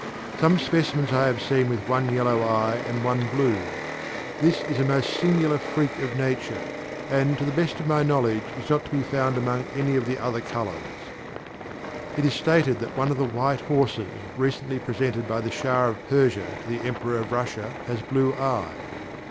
Some specimens I have seen with one yellow eye and one blue; this is a most singular freak of nature, and to the best of my knowledge is not to be found among any of the other colours. It is stated that one of the white horses recently presented by the Shah of Persia to the Emperor of Russia has blue eyes.